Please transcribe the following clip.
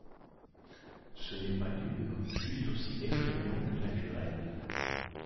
Ce n’est pas dur, juste aussi effrayant que naturel.